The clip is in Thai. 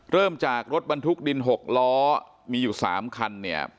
เริ่มจากรถบรรทุกดิน๖ล้อมีอยู่๓คันเนี่ย